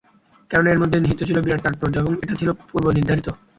কেননা এর মধ্যেই নিহিত ছিল বিরাট তাৎপর্য এবং এটা ছিল পূর্ব নির্ধারিত।